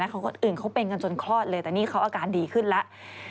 คนอื่นเขาเป็นกันจนคลอดเลยแต่นี่เขาอาการดีขึ้นแล้ว